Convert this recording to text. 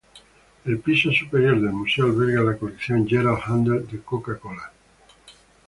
El piso superior del Museo, alberga la colección "Gerald Handel de Coca-Cola".